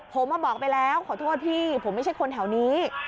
ผมบอกไปแล้วขอโทษพี่ผมไม่ใช่คนแถวนี้